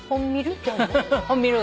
「本ミル」？